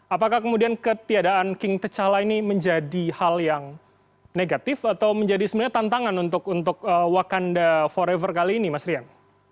apakah kemudian ketiadaan king tech cala ini menjadi hal yang negatif atau menjadi sebenarnya tantangan untuk wakanda forever kali ini mas rian